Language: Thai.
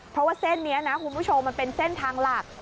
เพราะว่าเส้นนี้นะคุณผู้ชมมันเป็นเส้นทางหลัก